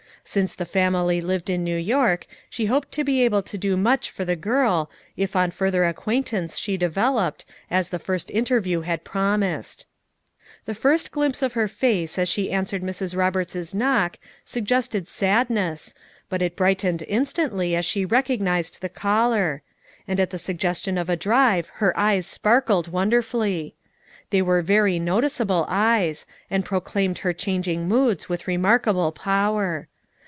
Since the family lived in New York she hoped to be able to do much for the girl, if on further acquaintance she developed, as the first interview had promised. The first glimpse of her face as she answered Mrs. Roberts's knock, suggested sadness, but it brightened instantly as she recognized the caller; and at the suggestion of a drive her eyes sparkled wonderfully. They were very noticeable eyes, and proclaimed her changing moods with remarkable power.